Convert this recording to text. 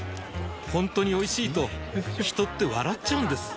ほんとにおいしいと人って笑っちゃうんです